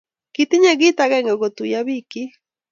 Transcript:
kitinye kiit akenge kotuyo biikchin